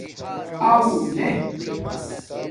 اݸ لے